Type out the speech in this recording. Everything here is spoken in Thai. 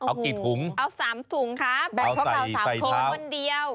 เอากี่ถุงเอา๓ถุงคะแบ่งพวกเรา๓คนวันเดียว